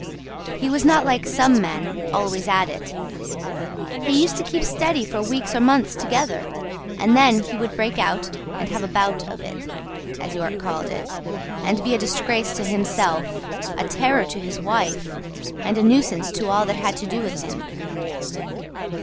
He was not like some men, always at it; he used to keep steady for weeks or months together, and then he would break out and have a "bout" of it, as York called it, and be a disgrace to himself, a terror to his wife, and a nuisance to all that had to do with him.